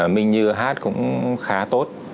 minh như hát cũng khá tốt